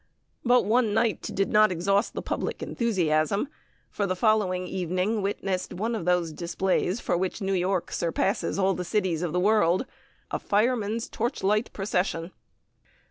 But one night did not exhaust the public enthusiasm, for the following evening witnessed one of those displays for which New York surpasses all the cities of the world a firemen's torchlight procession.